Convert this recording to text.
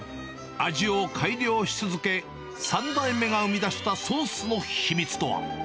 味を改良し続け、３代目が編み出したソースの秘密とは。